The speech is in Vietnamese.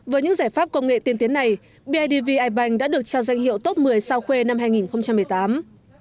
với những giải pháp công nghệ tiên tiến này bidv ipanh đã được trao danh hiệu top một mươi sao khuê năm hai nghìn một mươi tám